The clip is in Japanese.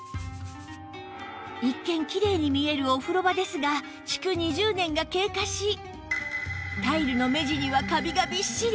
一見きれいに見えるお風呂場ですが築２０年が経過しタイルの目地にはカビがびっしり